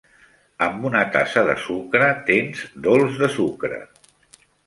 Amb una tassa de sucre tens dolç de sucre.